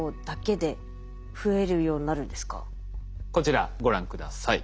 こちらご覧下さい。